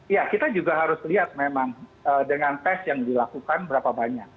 ya kita juga harus lihat memang dengan tes yang dilakukan berapa banyak